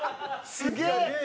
すげえ！